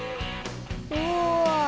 うわ。